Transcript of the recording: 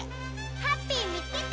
ハッピーみつけた！